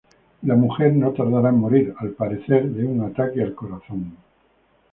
Y la mujer no tardará en morir, al parecer de un ataque al corazón.